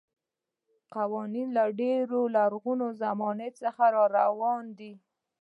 دا قوانین له ډېرې لرغونې زمانې څخه راروان دي.